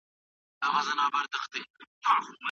آیا میاشت پوره شوه چې موږ د کور کرایه ورکړو؟